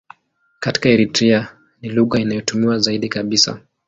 Katika Eritrea ni lugha inayotumiwa zaidi kabisa.